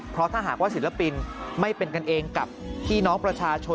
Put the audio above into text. เพราะถ้าหากว่าศิลปินไม่เป็นกันเองกับพี่น้องประชาชน